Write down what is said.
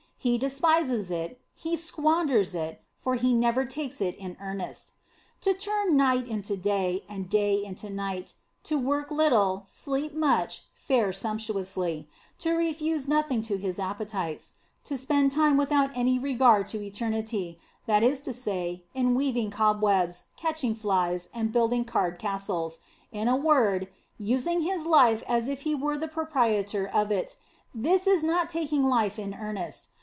He despises it, he squanders it, for he never takes it in earnest. To turn night into day, and day into night; to work little, sleep much, fare sumptuously; to refuse nothing to his appetites ; to spend time without any regard to eternity, that is to say, in weaving cob webs, catching tlies, and building card castles; in a word, using his life as if he were the proprietor of it : this is not taking life in ear nest.